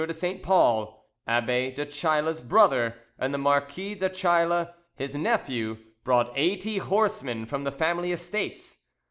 de St. Paul, Abbe Duchayla's brother, and the Marquis Duchayla, his nephew, brought eighty horsemen from the family estates.